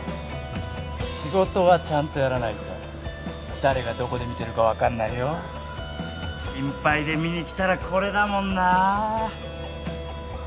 仕事はちゃんとやらないと誰がどこで見てるか分かんないよ心配で見に来たらこれだもんな